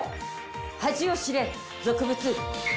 恥を知れ俗物！